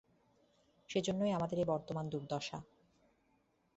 সেজন্যই আমাদের এই বর্তমান দুর্দশা।